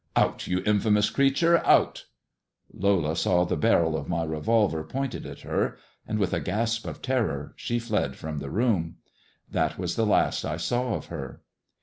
" Out, you infamous creature — out !" Lola saw the barrel of my revolver pointed at her, and, with a gasp of terror, she fled from the room. That was the last I saw of her.